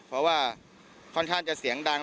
เพราะว่าค่อนข้างจะเสียงดัง